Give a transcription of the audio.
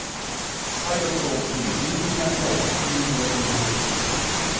パイロットを含む人的な被害は確認されていないとしています。